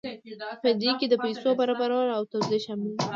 په دې کې د پیسو برابرول او توزیع شامل دي.